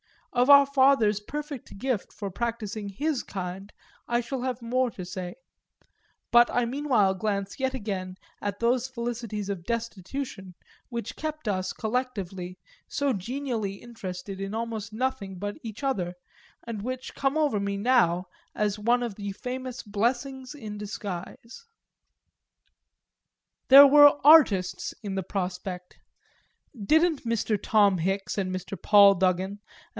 Of our father's perfect gift for practising his kind I shall have more to say; but I meanwhile glance yet again at those felicities of destitution which kept us, collectively, so genially interested in almost nothing but each other and which come over me now as one of the famous blessings in disguise. There were "artists" in the prospect didn't Mr. Tom Hicks and Mr. Paul Duggan and Mr. C.